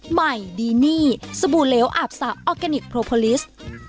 ใหม่ดีนี่สบู่เหลวอาบสาวออร์แกนิคโปรโพลิส